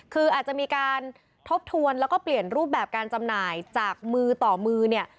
คืออาจจะมีการทบทวนแล้วก็เปลี่ยนรูปแบบการจำหน่ายจากมือต่อมือเนี่ย